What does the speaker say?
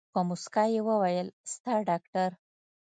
په موسکا يې وويل ستا ډاکتر.